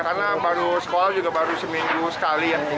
baru sekolah juga baru seminggu sekali ya